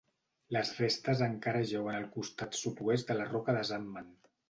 Les restes encara jeuen al costat sud-oest de la Roca de Zantman.